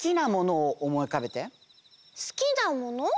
すきなもの？